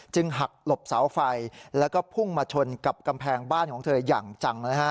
หักหลบเสาไฟแล้วก็พุ่งมาชนกับกำแพงบ้านของเธออย่างจัง